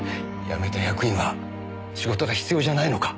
辞めた役員は仕事が必要じゃないのか？